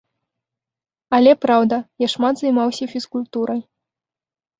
Але праўда, я шмат займаўся фізкультурай.